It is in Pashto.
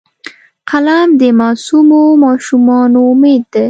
قلم د معصومو ماشومانو امید دی